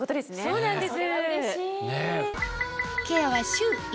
そうなんです。